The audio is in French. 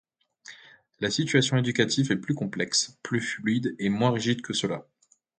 La situation éducative est plus complexe, plus fluide et moins rigide que cela.